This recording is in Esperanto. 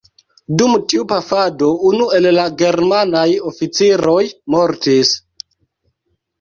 Dum tiu pafado unu el la germanaj oficiroj mortis.